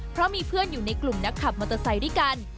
เพราะมีเพื่อนอยู่ในกลุ่มนักขับมอเตอร์ไซค์ด้วยกัน